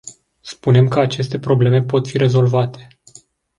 Spunem că aceste probleme pot fi rezolvate.